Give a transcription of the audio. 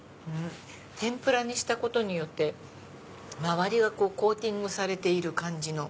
天ぷらにしたことによって周りはコーティングされている感じ。